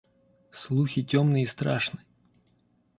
Слухи темны и страшны.